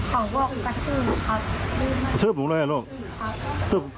หนูลมหมดหรอแล้วเขาก็ไปต่ออีก